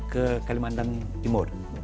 ke kalimantan timur